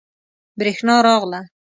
بریښنا راغله